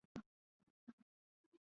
他打击和投球两项皆使用右手。